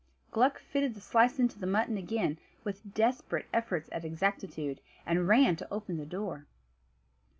Gluck fitted the slice into the mutton again, with desperate efforts at exactitude, and ran to open the door.